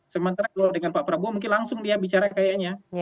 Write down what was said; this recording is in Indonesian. sementara kalau dengan pak prabowo mungkin langsung dia bicara kayaknya